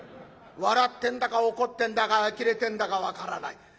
笑ってんだか怒ってんだかあきれてんだか分からない。